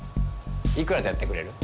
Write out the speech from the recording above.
いくらでやってくれる？